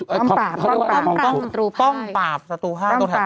กองปากสตูพาดตรงแถวคองถม